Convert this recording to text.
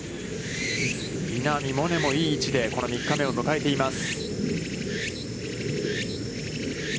稲見萌寧もいい位置でこの３日目を迎えています。